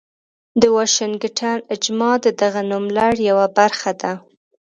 د واشنګټن اجماع د دغه نوملړ یوه برخه ده.